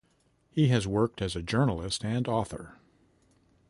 He has worked as a journalist and author.